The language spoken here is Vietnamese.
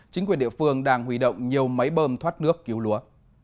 chính quyền địa phương đang huy động nhiều máy bơm thoát nước cứu lúa